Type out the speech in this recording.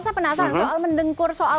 saya penasaran soal mendengkur soal